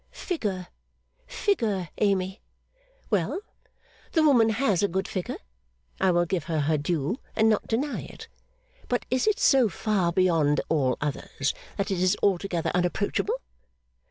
'Figure! Figure, Amy! Well. The woman has a good figure. I will give her her due, and not deny it. But is it so far beyond all others that it is altogether unapproachable?